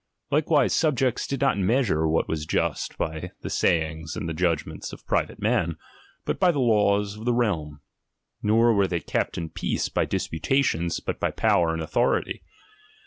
Likewise subjects did not measure what was just by the sayings and judgments of private men, but by the laws of the realm ; nor were they kept in peace by disputations, but by power and authority.